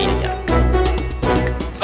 tidak ada yang bisa diingat